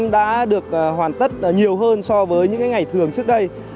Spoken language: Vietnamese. đã được hoàn tất nhiều hơn so với những ngày thường trước đây